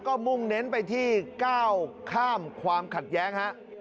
ก็มุ่งเน้นไปที่๙ข้ามความขัดแย้งครับ